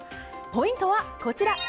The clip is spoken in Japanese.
ポイントはこちら。